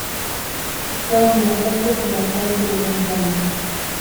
Todos los jueces elogiaron su desempeño.